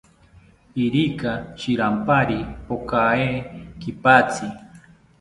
Irika shirampari pokae kipatzi